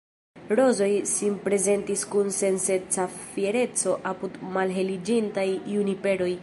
Rozoj sinprezentis kun sensenca fiereco apud malheliĝintaj juniperoj.